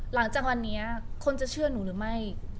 หลังจากวันนี้คนจะเชื่อหนูหรือไม่